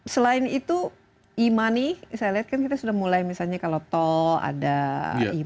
selain itu e money saya lihat kan kita sudah mulai misalnya kalau tol ada e money dan lain sebagainya